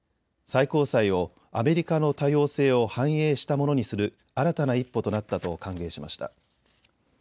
最高裁をアメリカの多様性を反映したものにする新たな一歩となったと歓迎しました。